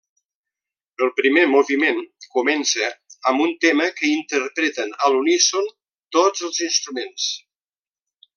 El primer moviment comença amb un tema que interpreten a l'uníson tots els instruments.